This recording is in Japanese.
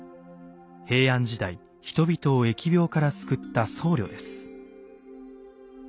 平安時代人々を疫病から救った僧侶です。